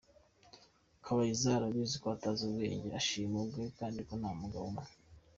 Kabayiza arabizi ko utazi ubwenge ashima ubwe kandi ko nta mugabo umwe.